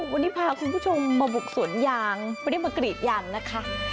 วันนี้พาคุณผู้ชมมาบุกสวนยางไม่ได้มากรีดยางนะคะ